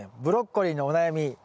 ブロッコリーのお悩み